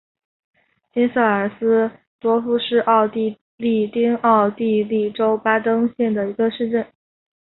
金瑟尔斯多夫是奥地利下奥地利州巴登县的一个市镇。